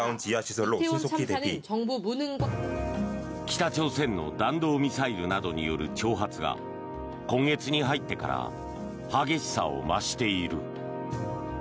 北朝鮮の弾道ミサイルなどによる挑発が今月に入ってから激しさを増している。